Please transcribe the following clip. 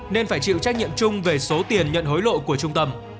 nên phải chịu trách nhiệm chung về số tiền nhận hối lộ của trung tâm